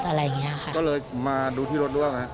ก็เลยมาดูที่รถด้วย